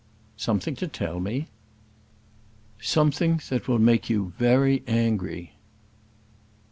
"Something to tell me?" "Something that will make you very angry."